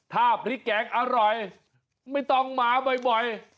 ถ้าพริกแกงอร่อยไม่ต้องมาบ่อย